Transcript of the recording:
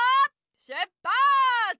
しゅっぱつ！